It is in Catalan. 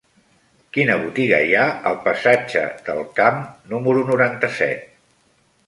Quina botiga hi ha al passatge del Camp número noranta-set?